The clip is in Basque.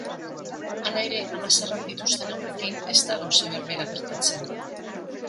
Hala ere, ama zaharrak dituzten haurrekin ez da gauza berbera gertatzen.